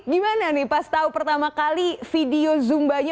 gimana nih pas tahu pertama kali video zumbanya